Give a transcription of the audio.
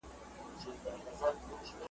او ما په هغه پسي اقتداء کړې ده `